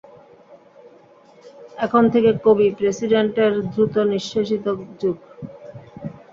এখন থেকে কবি-প্রেসিডেণ্টের দ্রুতনিঃশেষিত যুগ।